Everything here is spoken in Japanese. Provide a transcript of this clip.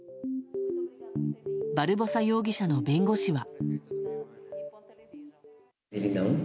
バルボサ容疑者の弁護士は。